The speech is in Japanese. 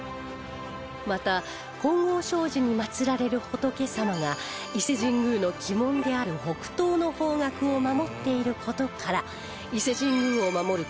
また金剛證寺に祀られる仏様が伊勢神宮の鬼門である北東の方角を守っている事から伊勢神宮を守る